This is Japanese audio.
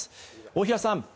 大平さん